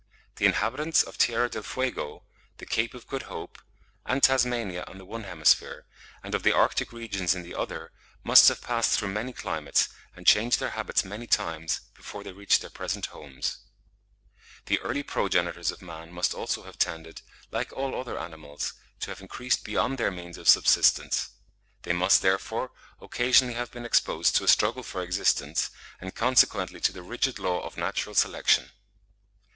The inhabitants of Tierra del Fuego, the Cape of Good Hope, and Tasmania in the one hemisphere, and of the arctic regions in the other, must have passed through many climates, and changed their habits many times, before they reached their present homes. (64. Latham, 'Man and his Migrations,' 1851, p. 135.) The early progenitors of man must also have tended, like all other animals, to have increased beyond their means of subsistence; they must, therefore, occasionally have been exposed to a struggle for existence, and consequently to the rigid law of natural selection.